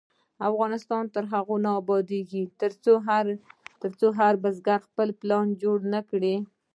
افغانستان تر هغو نه ابادیږي، ترڅو هر بزګر خپل پلاني کار ونکړي.